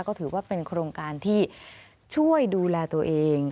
ก็ถือว่าเป็นโครงการที่ช่วยดูแลตัวเอง